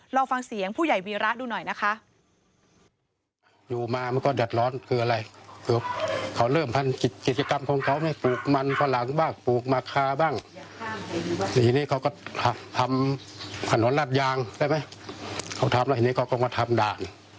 ลองฟังเสียงผู้ใหญ่วีระดูหน่อยนะคะ